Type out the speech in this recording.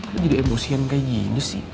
aku jadi emosian kayak gini sih